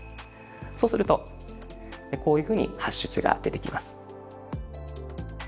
そうするとこういうふうにハッシュ値が出てきます。